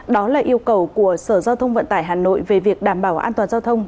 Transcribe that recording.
đó là yêu cầu của sở giao thông vận tải hà nội về việc đảm bảo an toàn giao thông